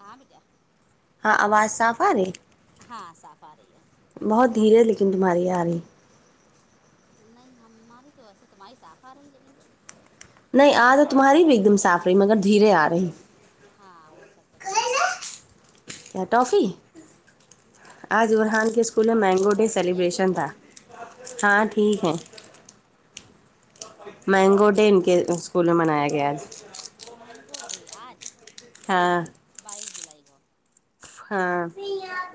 ہاں بٹ ہاں آواز صاف آ رہی ہے ہاں صاف آ رہی ہے بہت دھیرے ہے لیکن تمہاری آ رہی نہیں ہماری تو ویسے تمہاری صاھ آ رہی ہے نہیں نہیں آج تمہاری بھی ایک دم صاف رہی مگر دھیرے آ رہی ہاں ہو سکتا تھیرے آ رہی ہے ٹافی آج برحان کے اسول اسکول مینگو ڈے اور بھیا ٹھیک سیلیبریشن تھا ہے ہاں ٹھیک ہے اچھا مینگو ڈے ان کے اسکول میں منایا گیا ہے مینگو ڈے آج ہاں بائیس جولائی گ ہاں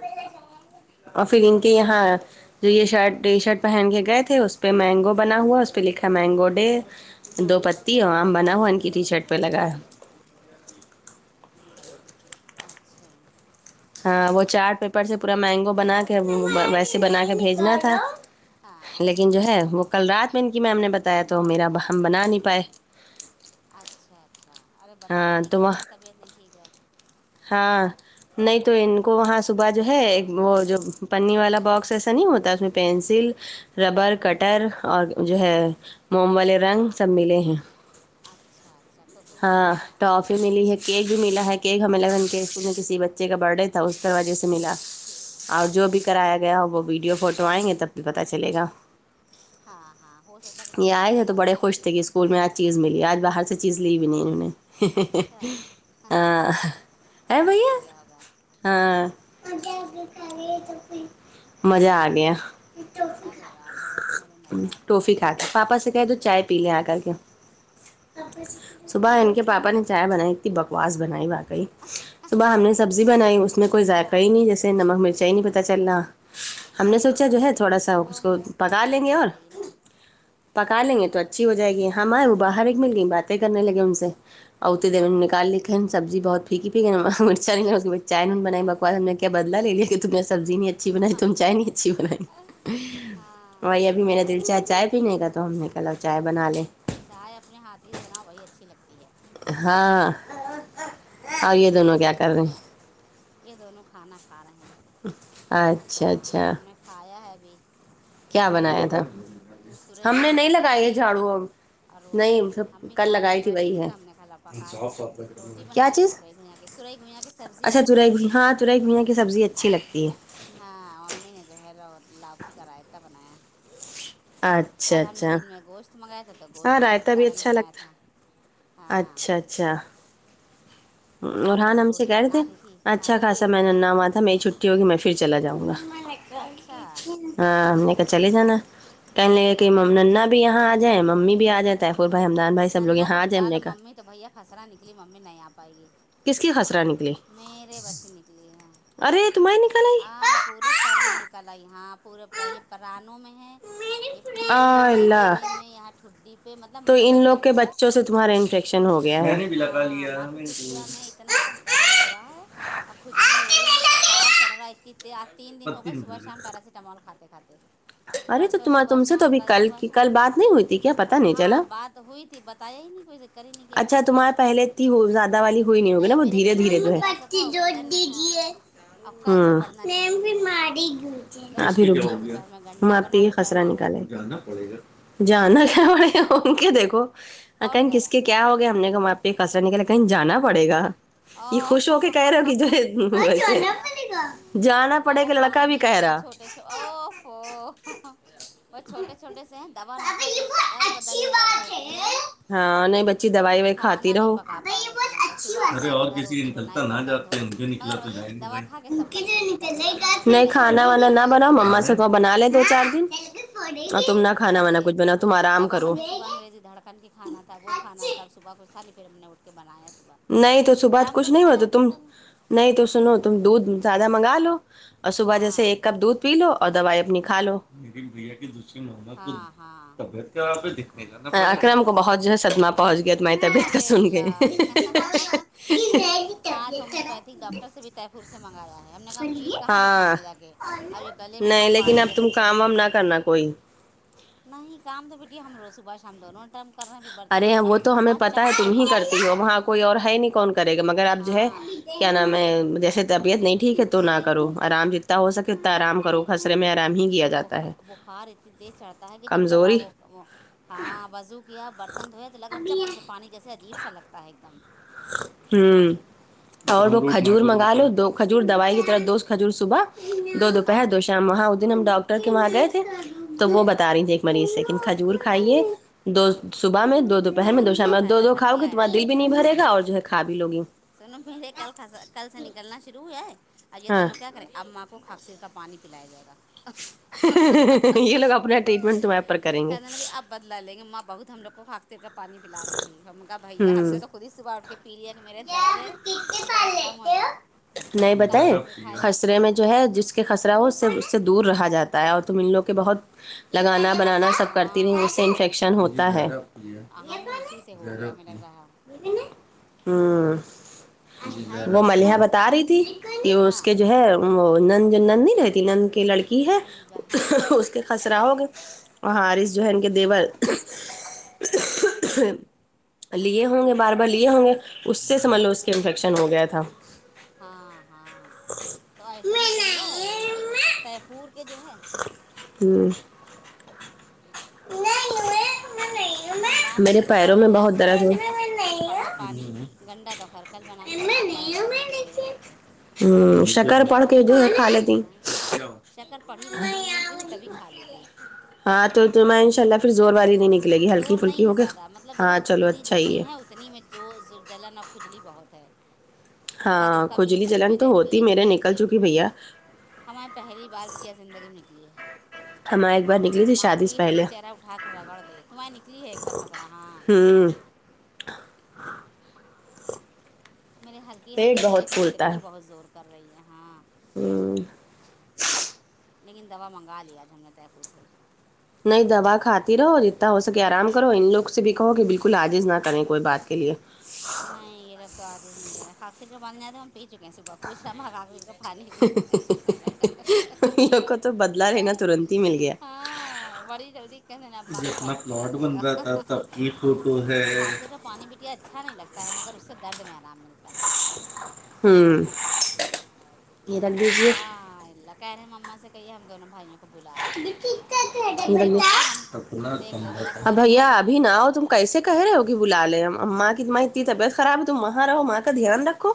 اچھا اور پھر ان کے یہاں جو یہ شرٹ یہ شرٹ پہن کے گئے تھے اس پہ مینگو بنا ہوا اس پہ لکھا مینگو ڈے ہاں دو پتی ہو آم بنا ہوا ان کی ٹی شرٹ پہ لگا ہے اچھا ہاں وہ چارٹ پیپر سے پورا مینگو بنا کے ویسے بنا کے بھیجنا تھا ہاں لیکن جو ہے وہ کل رات میں ان کی میم نے بتایا تو میرا ہم بنا نہیں پائے اچھا اچھا ارے بتا د ہاں دیی کہ تو وہ وہیں طبیعت نہیں ٹھیک ہے ہاں نہیں تو ان کو وہاں صبح جو ہے ایک وہ جو پنی والا باکس ایسا نہیں ہوتا اس میں پینسل ربر کٹر اور جو ہے موم والے رنگ ہاں سب ملے ہیں اچھا اچھا تو پھر ٹھیک ہاں ہے ٹافی ملی ہے کیک بھی ملا ہے کیک ہمیں لگن کے اسکول میں کسی بچے کا برت ڈے تھا اس کی وجہ سے ملا اور جو بھی کرایا گیا ہو وہ ویڈیو فوٹو آئیں گے تب بھی پتا چلے گا ہاں ہاں ہو سکتا ہے کسی یہ آئے بچے کا تھے تو برتھ بڑے ڈے ہو خوش تو تھے کہ کیک اسکول میں چیز ملی آج باہر سے چیز لی بھی نہیں انہوں اچھا نے ارے خوش بھیا ہو گیا ہوگا ہاں مزہ آ گیا ارے واہ بھیا کو میرے مزہ آ گیا ہے ٹوفی کھا پاپا سے کہ تو چائے پی لے آ کر کے صبح ان کے پاپا نے چائے بنائی تھی بکواس بنائی واقعی صبح ہم نے سبزی بنائی اس میں کوئی ذائقہ ہاں ہی نہیں جیے نمک مرچائی نہیں پتا پت چل رہا ہم نے سوچا جو ہے تھوڑا سا وہ اس کو منہ کا پکا ٹیسٹ لیں گے نہیں اور صحیح نا پکا لیں گے تو اچھی ہو جائے گی ہماں آئے وہ باہر ایک ہاں مل گئی باتیں کرنے لگے ان سے اور اتتے دیر ہاں نکالیک ہےن سبزی بہت پھیکی پ ہے مرچائے بن ہاں بکو کیا بدلا لے لیا ت تو میں سبی نہیں اچ بنائی تم چائے نہیں اچھی بائی ہاں اورائی ابھی میں نے دل چائے چائے پی ن کا تھا تو ہم نے کہہ ل چائے بنا لیں چائے اپنے ہاتھی سے بناؤ وہی اچھی لگتی ہے ہاں اور یہ دونوں کیا کر رہے ہیں یہ دونوں کھانا کھا رہے ہیں اچھا ہاں اچھا ہم نے کھایا ہے بھی کیا بنایا تھا تورئی ہم نے گیااں کی نہیں لگائی ہے سبزی جھاڑو اور روٹی نہیں سب امی کل کاٹ کے لگائی بیٹھی تھی وہی ہے تو ہم نے کھال پکائے روٹی کیا بنا لی چیز گ کے ت توئی گئییاں سبزی اچھا اور روٹی تورئی ہاں تورئی گھیہ کے سبزی اچھی لگتی ہے ہاں امی نے جو ہے لو لؤکی کا رائتا بنایا اچھا کل ہم نے اچھا دن میں گوشت منگایا تھا تو ہاں گوشت آلوق رائتا بھی سالن اچھا بنایا تھا لگتا ہاں اچھا اچھا شام کو ررحان پھر ہم سے روٹی کہہ رہے تھے بنا لی تھی اچھا ہاں خاص ب میں ن ہوا تھا میری چھٹی ہوگی میں پھر چلا جاؤں گا اچھا ہاں ہم نے کا چلے جانا کہنے ل کہ ہاں نا بھی یہاں آ جائے ممی بھی آ جائے تخو بائی ہممدان بائی سبوگ ہیںاتھ ب لا لو ممی تو بھیا خسرہ نکلی ممی نہیں آ پائے گی کس کی خسرا نکلی میرے بچے نکلی ہیں ارے تمہے نکلے پورے سر میں نکل آئی ہاں پورے یہ پرانوں میں ہے یہ آ پیٹھ میں ہے اللہ گلے میں اں ٹھڈی پہ مطلب تو منہ پہ ان لوگ کم کے ہے بچوں سے تمہارا انفیکشن ہ ہو گیا ہے ہاں ہماں پ کچھ کیا میں اتنا سب درد ہو رہا ہے اور کھجلی ہو رہی بخار چڑھ رہا ہے ا ت تین دن ہو گئے صبح شام پیراستا مول کھاتے کھاتے ارے تو پرسوں تم صبح تم سے تو شام ابھی کل صبح کی شام کل بات نہیں ہوئی تھی کیا پتہ نہیں چلا ہاں بات تو ہوئی تھی بتایا ہی نہیں کوئی سے ہی نہیں کیا پھر اچھا ہم تمہارے پہلے نے اتنی زیادہ والی ہوئی ہوگی نا نہیں وہ میرے دھیرے چہرے دھیرے پہ ذرا سا تھا وہ گردن میں تھا الو [unintelligible] تو ہم ہبھی نے پھر رک کل دوپہر میں گنڈا آپ پ بنا ہی کے خسرہ پہنا ہے نکالے پے گا جانا پڑے گا ا کے دیکھو آ کون کہیں کہہ کس کے رہا کیا ہو گیا ہم نے کو وہاں پہ کسرا نکلا کہیں جانا پڑے گا یہ خوش او ہو کے کہرے کی جو جانا پڑے کہ لڑکا بھی کہہ رہا اف وہ چھوٹے چھوٹے سے دوا نہ کھاؤ تو اس کا در بدن میں درد ہوتی ہے ہاں نہیں بچی دوائی وائی کھاتی کھانا نہیں رہو پکا پا رہے سمجھ لو صبحٹ ا انہھر روٹی بنائی برتن دھو مگر وہی ہے کہ دوا کھا کے سب کر لیں گے درد کم ہو جاتا نہیں کھانا وانا نہ بناؤ مما سے تو بنا لے دو چار دن اور تم نہ کھانا ارے وانا کچھ بناؤ بیٹی تم آرام دوا کرو ہمیں صبح انگریزی دھڑکن کی کھانا تھا وہ کھانا تھاب صبح کو سا نہیں پھر ہم نے اٹھ کے بنایا تھا صبح نہیں تو صبحات شام کو کچھ بھی نہیں ہوتا بنایا تم سر نہیں تو سنو تم دودھ زیادہ منگا لو اور صبح جیسے ہاں ایک کپ دودھ پی لو اور دوائیں اپنی کھا لو دنے ہاں ہاں اکرم کو بہت جو ہے سدما پہنچ گیا تمہاری طبیعت کا ارے سن کہ اللہ ہ [unintelligible] آج ہومیو پیتھک ڈاکٹر سے بھی طٹییفور سے منگایا ہے ہم نے کہا ہم پیٹ کہاں دکھائیں ہاں گے جا کے اورب یہ گلے میں ماں نہیں لیکن پانی اب جیسے تم چوٹے کام وام چھوٹے ہیں کرنا نہ کوئی نہیں کام تو بیٹی ہم روز صبح شام دھونوں ٹائم کرنا پھر برتن ارے دھونا وہ تو ہمیں ماں پتا ہے چپ سے تم ہی پانی کرتی ہو لگتا ہے وہاں کوئی اور ہے نہیں کون کرے گا مگر آپ جو ہے ہاں کیا نام ہے جیسے طبیعت نہیں ٹھیک ہے تو نہ کرو آرام جتنا ہو سکے اتنا آرام کرو خسرے میں آرام ہی کیا ب جاتا ہے بخار اتنی تیز چڑھتا ہے کہ جب دوا کمزوری وہ ہاں وضو کیا برتن دھوئے تو لگ رہا ہے چپ سے پانی جیسے عجیب سا لگتا ہے ایک دم ہوں اور وہ کھجور منگا لو دو کھجور دوائی کی طرف دوست کھجور صبح دو دو ہاں پہے دو وہاں دن ہم ڈاکٹر کے وہاں گئے تھے تو وہ بتا رہی تھھی ایک مریض سےن کھجور کھائیے اچھا دو ہاں صبح میں دو دوپہر میں کھجور دو پٹیا شام دو فائدہ دو کھاؤ کرتی ہے گے تمہا آئرن دل بھی نہیں بھرے گا اور جو کھا بھی لوگیوں [inaudible] سن میرے کل خاسا کل سے نکلنا شرو ہویا ہے اجے ہاں توں کیا خے اماں کو کھااکسیر کا پانی پلایا جائے گا [inaudible] یہ لوگ اپپنار ٹریٹمینٹ [inaudible] کہنے لگی اب بدلا لیں گے ماں بہت ہم لوگ کو پھانکتی کر پانی پلا رہی تھی ہما بھیا ہم ہوں نے تو خود سواڑ کے [inaudible] پی لیا کہ میرے درد ہے تو درد کم ہو جائے وہ نہیں نکہ سینک کے بتائیں کھایا خسرے ہ میں جو ہے جس کے [inaudible] خسرا ہو اس سے اس سے دور رہا جاتا ہے اور تم لو کہ بہت لگانا تو بنانا بیٹی سب کرتی رہی ہاں اس سے انفیکشن ہوتا ہے ہمیں اسی سے ہو گیا ہمیں لگ رہا ہے ہوں یہ وہ میرے ملحا کم بتا رہی تھی ہاں کہ اس ہاں کے جو ہے وہ نن جو نند نہیں رہتی نن کی لڑکی ہے شیبہ ہاں ہاں اس کے [inaudible] ہسرا ہوگے وہاںرس جو ہے ان کے دیور [inaudible] ہاں لیے ہوں گے بار بار لیے ہوں گے اس سے سبھ ہاں لو اس کے انفیکشن ہو گیا تھا ہاں ہاں تو ایسے ہی تو ہوا ہے ان کے تیفور کے جو ہے [inaudible] ہوں ہمدان کے میرے دیکھو پیروں کم میں رہے اب بہت ہم نے درد ہو شکر [inaudible] پڑھا پانی گنڈا دو خرکل بنا پہنا بڑھ رہے ہیں دھیرے دھیرے کر کے [inaudible] ہ شکر پڑ کے جو ہے کھا لیتی چکر پڑی تھی جب ان لوگ تھے تھے تبھی کھا لی تھی ہاں تو میں ان شاء اللہ پھر زور وار ہی نہیں نکلے گی ہلکی زور پھلکی نہیں ہو ہے کے زیادہ مطلب جو ہاں ہے چلو کھجلی اچھا ہی جتنی ہے اتنی میں جو جلن کھجلی بہت ہے اکا ہاں دککا بیچ کھجلی بیچ جلن میں تو ج ہوتی پیٹ میرے میں نکل پیٹ چکی میں بھیا [inaudible] ہماری پہلی بار بٹیا زندگی میں نکلی ہے ہم ایک بار نکلی تھی مار شادی سے پیٹ دل پہلے چرہ اٹھا کر رگڑ دے تمہیں نکلی ہے ایک بار خسرا ہاں ہین [inaudible] میرری ہلکی پیٹ ہلکی ہے بہت لیکن اتنی ہی بہت زور کر رہی ہے ہاں ہ [inaudible] لیکن دوا منگا لیا آج ہم نے طے پور سے نہیں دوا کھاتی رہو جتنا ہو سکے آرام کرو ان لوگ سے بھی کہو کہ بالکل کللاجز نہ کریں کوئی بات کے لیے نہیں یہیرب تو آجز نہیں کرے کاااکصر کے بارنے آد ہم پی چکے ہیں صبح پوھ رہایر کا [inaudible] پانی ان لوگ کو تو بدلہ لینا ترنت ہی مل گیا [inaudible] ہاں بڑی جلدی کہ نے اا کو پائ پ ل ج گا وہ حادثے کا پانی بٹیا اچھا نہیں لگتا ہے مگر اس سے درد میں آرام ملتا ہے ہوں یہ رکھ دیجیے ہ [inaudible] کہہے ہیں اما سے کہیے ہم دونوں بھائیوں کو بلا لیں بہلے ہو رہے ہو ہم دیکھ لو ذرا کہ ا دونوں بھیا بھائی جانے ابھی کو نہ تیار ہو تم بیٹھے ہیں کیسے [inaudible] کہہ رہے ہو کہ بلا لے ہم ماں کیاں دیکھو اتنی طبیعت خراب ہے تم وہاں رہو ماں کا دھیان رکھو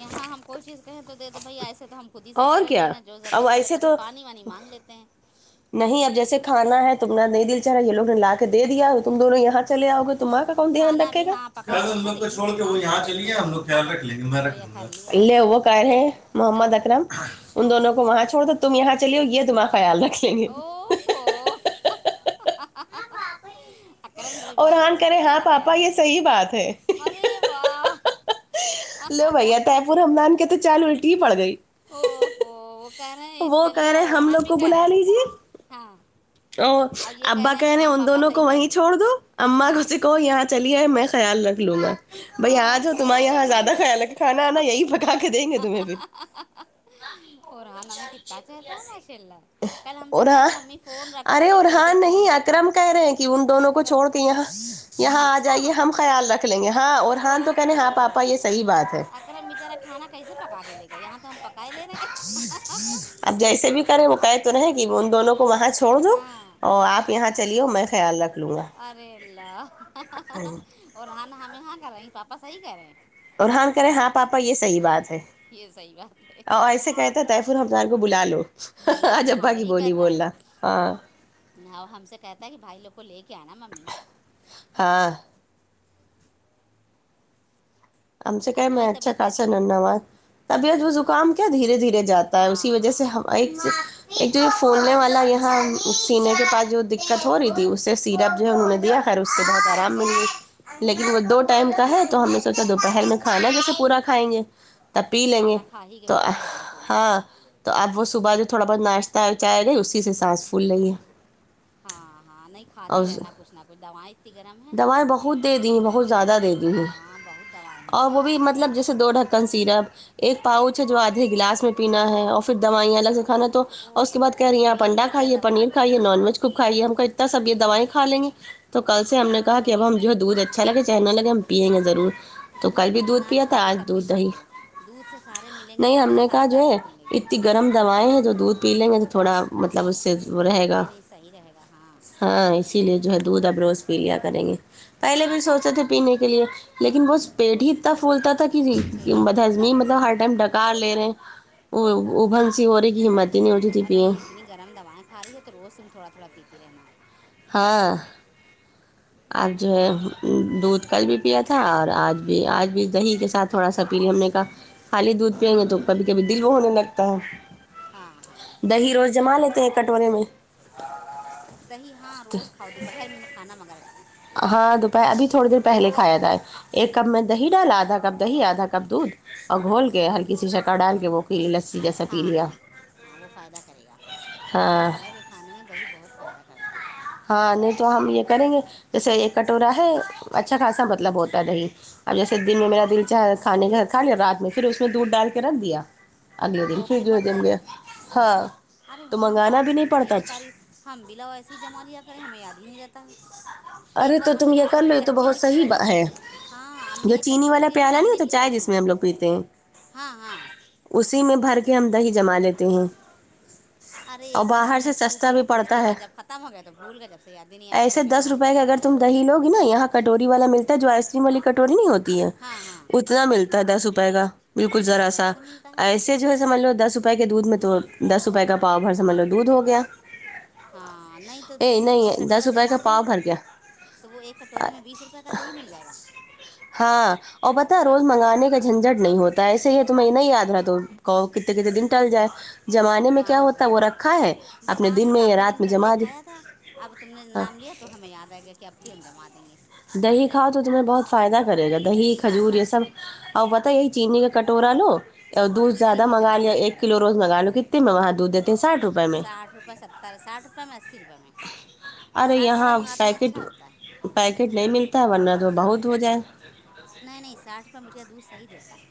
یہاں ہم کوئی چیز کہیں تو دے دو بھیا ایسے تو ہم خود ہی سب اور کریں کیا لینا جو اب ضرورت پڑے ایسے کبھی تو پانی وانی مانگ لیتے ہیں نہیں اب جیسے کانا ہے تمہ نہیں دل چ رہا یہ لوگ نے لا کے دے دیا تم دونوں یہاں چل آؤ گے تم آگ دھیان کھانا رکھے بھی گ ہاں پکا کے خل ہم رکھا تھا لگ کو انہیں چھوڑ کے وہ سمدان سے یہاں کہا کہ چلیے بھیا ہم تم لگ اٹھا خیال لو رکھ لیں گے میں تو رکھ یہ لوںا کر آئے لے وہ ہیں قر ہیں ہاں محمد اکرم ان ہاں دونوں کو وہاں چھوڑ دو تم یہاں چلی ہو یہ تمہارا خیال رکھ [inaudible] او فو [inaudible] اکرم تو بھائی اور بہت ہان اچھی کرے تری ہاں میرا [inaudible] رکھ پاپا یہ ل صحیح بات ہے ہرے واہ ہ ہ ہ [inaudible] رمدان کے تو چال الٹی ہی پڑ گئی [inaudible] ا پو وہ کہہ رہے ہیں وہ چلیے کہہ رہے ہم لوگ ارحان بھی کہ رہے ہاں [unintelligible] او اور یہ کہہ ابا رہے ہیں کہ کہنے ہاں ان پاپا دونوں صحیح کو کہہ وہیں رہے چھوڑ ہیں دو اما ہاں کسی کو یہاں چلیے میں خیال رکھ لوں گا بھ آج ہو اوفو تمہارے یہاں زیادہ ماشاء خیال ہے کہ اللہ کھانا ہےناا یہی پکا کے دیں گے تمہیں پھر قرآن ہمیں کتنا چتا ہے ماشاء اللہ کل ہم سے اور کہہ رہے ہاں ہیں ممی فون رکھو ارے میں تھوڑی دیر اوررحان نہیں فون دیکھوں گا اکرم کہہ رہے ہیں کہ ان دونوں کو اکرم چھوڑ کے یہاں یہاں آ اچھا جائیے ہم خیال رکھ لیں گے ہاں اور ہان تو کہنے ہاں پاپا یہ صحیح بات ہے ام بچارا کھانا کیسے پکا کے دے گا یہاں تو ہم پکا لے رہے ہیں [unintelligible] آپ جیسے بھی کریں وہ کہے تو رہ کہ ان دونوں کو وہاں چھوڑ دو ہاں اور آپ [unintelligible] یہاں چلی ہو میں خیال رکھوں ارے اللہ اور ہاں ہم ہاں کر رہے پاپا صحیح کر رہے ہیں ررحان کریں ہاں پاپا یہ صحیح بات ہے یہ صحیح بات ہے اور ایسے کہتے س طیف ال ہفدان کو بلا لو [unintelligible] بل ل آج ہاں ابا کی یہی بولی کہتا ہے بولنا ہاں [unintelligible] نہ وہ ہم سے کہتا ہے کہ بھائی لوگ کو لے کے آناا ممی [unintelligible] ہاں ہم سے اب کیا میں تمہاری اچھا طبیعت خاصا کیسی ہے انواز طبیعت و زکام کیا دھیرے دھیرے جاتا ہے اسی ہاں وجہ سے ہاں ایک ایک تو فوننے والا یہاں سینے کے پاس جو دقت ہو رہی تھی اس سے سیرپ جو ہے انہوں نے دیا خیر اس سے ہاں بہت آرام مل گئی لیکن وہ دو ٹائم کا ہے تو ہم نے سوچا ہاں دوپہر میں کھانا جیسے پورا کھائیں گے تب پی لیں گے کھانا کھا ہی گئے تو بیٹیا کھانا پینا ہاں تو اپ کو صبح سے تھوڑا بہت ناشتہ چائے نہیں اسی سے سانس پھول لیں گے ہاں ہاں نہیں کھاتی رہنا کچھ نہ کچھ دوائیں اتنی گرم ہیں دوائیں بہت دے دی ہیں بہت زیادہ دے دی ہیں ہاں بہت دوائیں ہیں اور وہ بھی نہیں مطلب جیسے دو ڈھک ن سیرپ ایک پاؤچ ہے جو آدھے گلاس میں پینا ہے اور پھر دوائیاں الگ سے کھانا [unintelligible] تو اور اس کے اوف بد کہہ ہو رہی ہیں آپ پیٹ انڈا بھر جائے کھائیے پنیر دوائیوں سے کھائیے نان ویج ک کھائیے ہم کو اتنا سب یہ دوائیں کا لیں گے تو کل سے ہم نے کہ اب ہم ہاں جو ہے دودھ اچھاگے چہنا لگے ہم پییں گے ضرور تو دودھ کل بھی بٹھیا نہ پیا اچھا تھا لگے آج تب بھی دودھ تو دہی پو دودھ سے سارے ملیں گے نہیں ہم نے ساری کہا جو ہے طاقتیں [inaudible] اتنی گرم دوائیں ہیں جو دودھ پی لیں گے تو تھوڑا مطلب اس سے رہے گا نہیں نہیں صحیح رہے گا ہاں ہاں اسی لیے جو ہے دودھ اب روز پی لیا کریں گے پہلے بھی سوچے تھے پینے کے لیے لیکن وہ پیٹ ہی اتنا پھولتا تھا کہ پیٹ پھولتا ہضمی تو مطلب ہوئے ہر گا ٹائم ہاں ڈکاار لے رہے ہیں ابن س ہو رہی کی مت [unintelligible] اور نہیں اتنی گرم دوائیں کھا رہی ہے تو روز تم تھوڑا تھوڑا پیتی رہنا ہاں آج جو ہے دودھ کل بھی پیا تھا اور آج بھی آج بھی دہی کے ساتھ تھوڑا سا پیے ہم نے کا خالی دودھ پیئیں گے تو کبھی کبھی دل وہ ہونے لگتا ہے ہاں ہاں دہی روز جما لیتے ہیں کٹورے میں دہی ہاں روز کھاؤ دوپہر میں کھانا مگر ہاں دوپہر ابھی تھوڑی دیر پہلے کھایا جائے ایک کپ میں دہی ڈالا آدھا کپ دہی آدھا کپ دودھ اور گھول کے ہلکی سی شکا ڈال کے وہ کی لسی جیسی ہاں ہاں ہاں وہ فائدہ کرے گا ہاں دوپہر کے کھانے میں دہی بہت فائدہ کرتا ہے ہاں نہیں تو ہم یہ کریں گے جیسے یہ کٹورا ہے اچھا خاصا مطلب ہوتا رہی اب جیسے دن میں ہاں میرا دل چاہ کھان کے کھا لیا رات میں پھر اس میں دودھ ڈال کے رکھ دیا اگلے دن وہ پھر دو بڑھ دن جائے گیا گا ہاں ارے تو ہاں منگانا بات بھی تو نہیں تم صحیح پڑتا بتا رہی ہو ہم بلا ایسے ہی جمع لیا کریں ہمیں یاد ہی نہیں رہتا ہے ایک ارے بار تو ہم تم نے جو یہ کر چھوٹی لو یہ تو کچی بہت مٹی صحیح والی ہے ہاں ا میں جو ایک چینی اچھی والا مٹی والی پیالہ ہانڈی ہوتا نہیں چائے لائی جس تھی میں ہم لوگ پیتے ہیں ہاں ہاں اسی میں بھر کے ہم دہی جما لیتے ہیں ارے اور ایک بار ہم باہر نے سے شروع سستا کیا بھی تھا اس پڑتا کے ہے بعد جب ختم ہو گیا تو بھول گیا جب سیادنیی آپ تم نے کہا تھا کہ اگر تم دہی ل گی نا یہاں کٹوری والا ملتا ہے جو آئس کریم والی کٹوری نہیں ہوتی ہے ہاں ہاں اتنا ملتا ہے دس روپے کا تو بالکل بہت ذرا سا ملتا ہے ایسے جو ہے سمجھ لو دس روپ روپ کے دودھ میں تو دس روپئے کا پاؤ بھر سے مان لو دودھ ہو گیا ہاں نہیں تو اے دودھ ایک نہیں کٹورا دس روپئے کا جما دیں گے پاؤ اگر بھر گیا تو وہ ایک کٹورے میں بیس روپے کا د ہی مل جائے گا ہاں اور بتا اگر روز منگانے کا جھنجٹ نہیں ہوتا ایسے ہی تمہیں نہیں یاد رہا تو کہ کتنے کتنے دن ٹل جائے وہ جمانے میں کیا ہاں ہوتا ہے وہ ہاں رکھا ہے اپنے بتا رہے ہیں دن میں یا کافی رات میں پہلے جما د کھایا تھا اب تم نے نام لیا تو ہمیں یاد آئے گا کہ آب بھی ہم جما دیں گے دہی کھؤ تو تمہیں بہت فائدہ کرے گا دہی کھجور ہاں یہ سب اور پتا یہی چینی کا کٹورا لو اور دودھ اسی زیادہ میں منگا جما لیا دیا ایک کریں کلو روز گے منگا لو کتنے میں وہاں دودھ دیتے ہیں ساٹھ روپئے میں آٹ رپ سات تر ساٹھ رپئے میں اسی روپئے میں ہم ارے ساٹھ والا یہاں منگاتے ہیں پیکٹ اچھا ہوتا ہے پیکٹ نہیں ملتا ہے ورنہ تو بہت ہو جائے نہیں نہیں ساٹھ روپئے میٹریا دورھحیح دیتا ہے